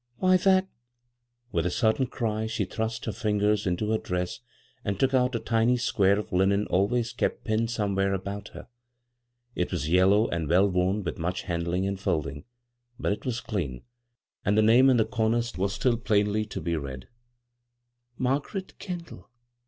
" Why, that " With a sudden cry she thrust her fingers into her dress Eind took out a tiny square of linen always kept pinned somewhere about her. It was yellow, and well worn with much handling and folding ; but it was clean, and the name in the comer was still [^nly to be read, " Margaret Kendall."